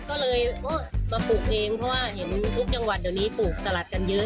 ก็เลยมาปลูกเองเพราะว่าเห็นทุกจังหวัดเดี๋ยวนี้ปลูกสลัดกันเยอะ